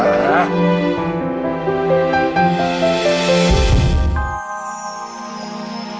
kamu bisa yang keahl physics